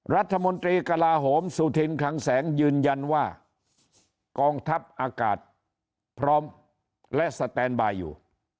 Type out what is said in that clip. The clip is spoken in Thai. รัฐมนตรีกระลาโหมสุธินคลังแสงยืนยันว่ากองทัพอากาศพร้อมและสแตนบายอยู่